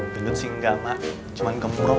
gedut sih nggak mak cuma gemprot